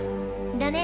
だね。